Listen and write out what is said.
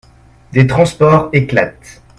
Des transports éclatent.